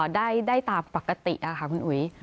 ได้ตามปกติค่ะคุณอุ๋ย